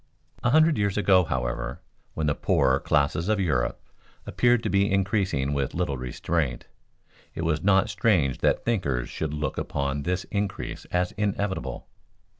A hundred years ago, however, when the poorer classes of Europe appeared to be increasing with little restraint, it was not strange that thinkers should look upon this increase as inevitable.